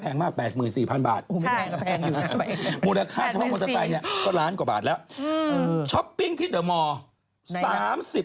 ภาคภูมิภาคภูมิภาคภูมิภาคภูมิภาคภูมิ